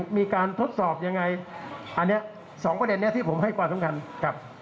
มีการทดสอบยังไงอันนี้สองประเด็นนี้ที่ผมให้ความสำคัญกับ